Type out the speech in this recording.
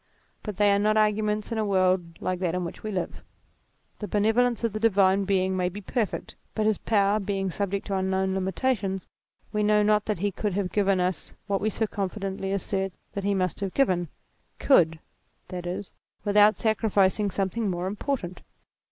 But they are not arguments in a world like that in which we live. The benevolence of the divine Being may be perfect, but his power being subject to unknown limitations, we know not that he could have given us what we so confidently assert that he must have given ; could (that is) with out sacrificing something more important.